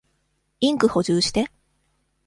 インク補充して。